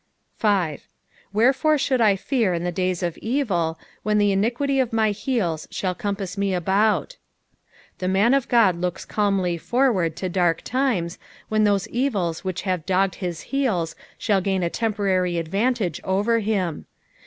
5. " Wherrfore ih/nild I fear in (i^ day* o^ OTi^ MA<n tlie imqtdty of my Ked» than eompau me aboutV The man of Ood looks calmly forward to dark times when those evils which have dogged his heels shall gain a temporary advnnta^ over him.